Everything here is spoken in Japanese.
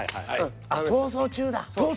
「逃走中」だ。